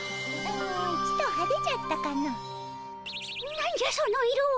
何じゃその色は。